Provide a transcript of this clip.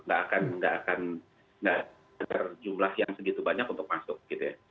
nggak akan nggak akan nggak ada jumlah yang segitu banyak untuk masuk gitu ya